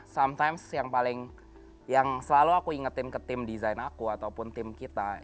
some times yang paling yang selalu aku ingetin ke tim desain aku ataupun tim kita